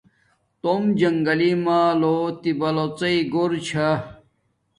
توم جنگی مال لو تی بلوڎے گور چھا